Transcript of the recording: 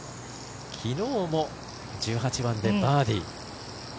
昨日も１８番でバーディー。